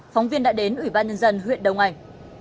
phóng viên đã đến ủy ban nhân dân huyện đông anh